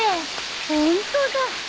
ホントだ。